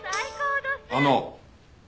あの。